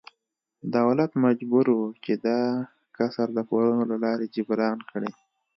دولت مجبور و چې دا کسر د پورونو له لارې جبران کړي.